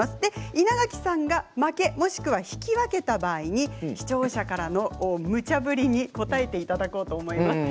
稲垣さんが負けまたは引き分けた場合に視聴者からのむちゃ振りに答えていただこうと思います。